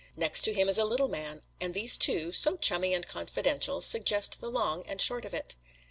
Next to him is a little man, and these two, so chummy and confidential, suggest the long and short of it.